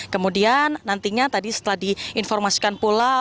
kemudian nantinya tadi setelah diinformasikan pula